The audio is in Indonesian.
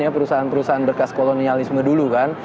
perusahaan perusahaan berkas kolonialisme dulu kan